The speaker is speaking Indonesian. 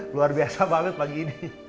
luar biasa banget pagi ini